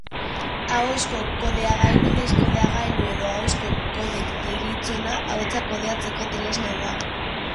Ahozko kodegailu-deskodegailu edo ahozko kodek deritzona, ahotsa kodetzeko tresna da.